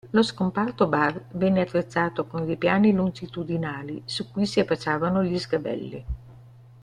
Lo scomparto bar venne attrezzato con ripiani longitudinali, su cui si affacciavano gli sgabelli.